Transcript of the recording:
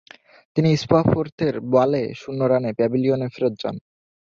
তিনি স্পফোর্থের বলে শূন্য রানে প্যাভিলিয়নে ফেরৎ যান।